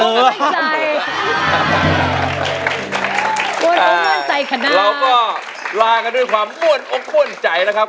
เราก็ละกันด้วยความมั่วออกมั่วใจนะครับ